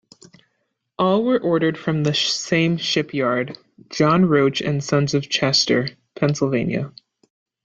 All were ordered from the same shipyard, John Roach and Sons of Chester, Pennsylvania.